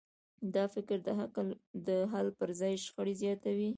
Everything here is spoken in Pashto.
دا فکر د حل پر ځای شخړې زیاتوي.